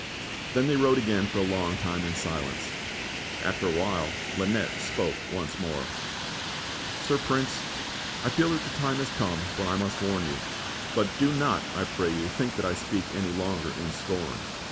Then they rode again for a long time in silence. After a while Lynette spoke one more: "Sir Prince, I feel that the time has come when I must warn you ; but do not, I pray you, think that I speak any longer in scorn.